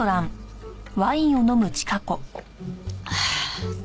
ああ。